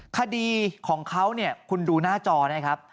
คดีของเขาเนี่ยคุณดูหน้าจอนะครับ